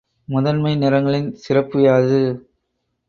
முதன்மை நிறங்களின் சிறப்பு யாது?